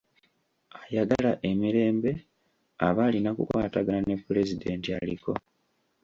Ayagala emirembe aba alina kukwatagana ne Pulezidenti aliko.